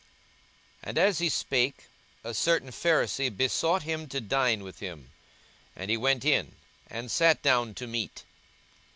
42:011:037 And as he spake, a certain Pharisee besought him to dine with him: and he went in, and sat down to meat.